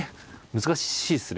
難しいですね。